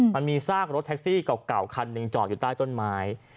มันมีซากรถแท็กซี่เก่าคันหนึ่งจอดอยู่ใต้ต้นไม้